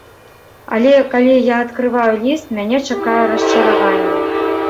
Але калі я адкрываю ліст, мяне чакае расчараванне.